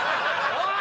おい！